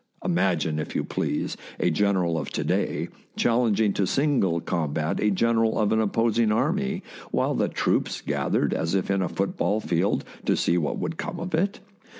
Imagine, if you please, a general of to day challenging to single combat a general of an opposing army, while the troops gathered as if in a football field to see what would come of it!